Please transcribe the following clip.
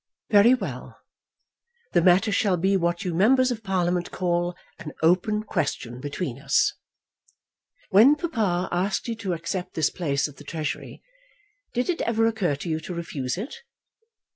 "Very well. The matter shall be what you members of Parliament call an open question between us. When papa asked you to accept this place at the Treasury, did it ever occur to you to refuse it?"